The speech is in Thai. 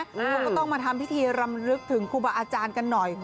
เขาก็ต้องมาทำพิธีรำลึกถึงครูบาอาจารย์กันหน่อย